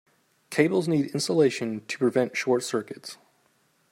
Cables need insulation to prevent short circuits.